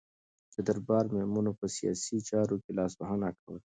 د دربار میرمنو په سیاسي چارو کې لاسوهنه کوله.